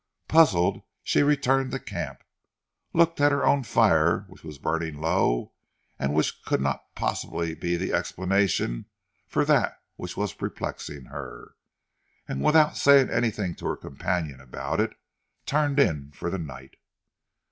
Puzzled, she returned to the camp, looked at her own fire which was burning low and which could not possibly be the explanation of that which was perplexing her, and without saying anything to her companion about it, turned in for the night.